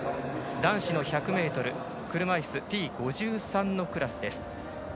男子の１００ｍ車いすＴ５３のクラスです。